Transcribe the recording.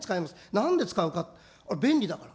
なんで使うか、便利だから。